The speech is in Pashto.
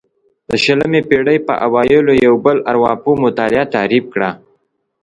د شلمې پېړۍ په اوایلو یو بل ارواپوه مطالعه او تعریف کړه.